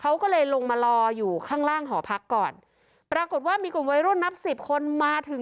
เขาก็เลยลงมารออยู่ข้างล่างหอพักก่อนปรากฏว่ามีกลุ่มวัยรุ่นนับสิบคนมาถึง